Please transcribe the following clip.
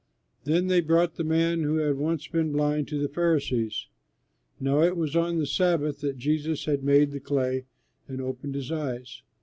Then they brought the man who had once been blind to the Pharisees. Now it was on the Sabbath that Jesus had made the clay and opened his eyes.